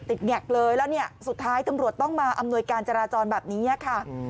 แงกเลยแล้วเนี่ยสุดท้ายตำรวจต้องมาอำนวยการจราจรแบบนี้ค่ะ